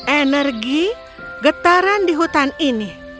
energi getaran di hutan ini